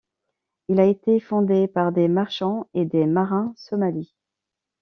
Il a été fondé par des marchands et des marins somalis.